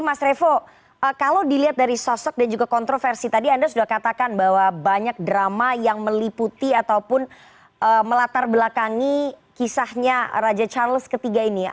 mas revo kalau dilihat dari sosok dan juga kontroversi tadi anda sudah katakan bahwa banyak drama yang meliputi ataupun melatar belakangi kisahnya raja charles iii ini